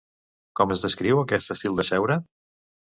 Com es descriu aquest estil de seure?